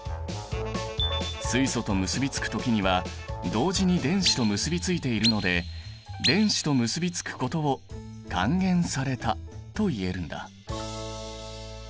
水素と結びつく時には同時に電子と結びついているので電子と結びつくことを還元されたと言えるんだ。